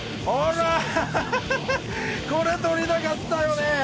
これとりたかったよね！